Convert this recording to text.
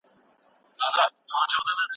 ټولنیز مهارتونه مو د شخصیت ښکلا ده.